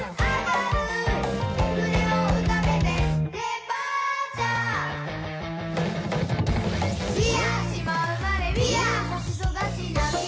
はい。